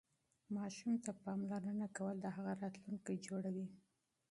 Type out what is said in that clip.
ماشوم ته پاملرنه کول د هغه راتلونکی جوړوي.